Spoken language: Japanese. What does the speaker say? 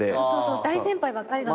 大先輩ばっかりだった。